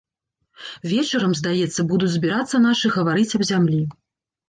Вечарам, здаецца, будуць збірацца нашы гаварыць аб зямлі.